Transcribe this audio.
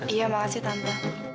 iya makasih tante